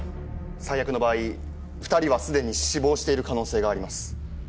最悪の場合２人は既に死亡している可能性があります。